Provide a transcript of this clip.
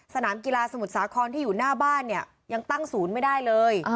สนามกีฬาสมุทรสาครที่อยู่หน้าบ้านเนี่ยยังตั้งศูนย์ไม่ได้เลย